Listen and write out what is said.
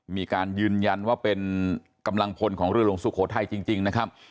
มีการยืนยันว่าเป็นกำลังพลของเรือหลวงสุโขทัยจริงนะครับ